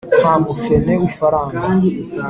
Nta mufene w’ifaranga